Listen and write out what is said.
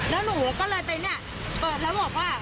แล้วหนูก็เลยไปเนี่ยเปิดแล้วบอกว่า